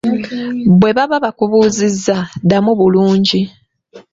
Bwe baba bakubuuzizza, ddamu bulungi.